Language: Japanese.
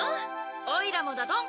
おいらもだどん・・